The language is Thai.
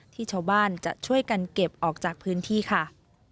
ที่ชาวบ้านจะช่วยกันเก็บออกจากพื้นที่ค่ะ